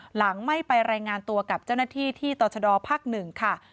หลังไม่ไปรายงานตัวกับเจ้าหน้าที่ที่ต่อชดภาค๑ค่ะ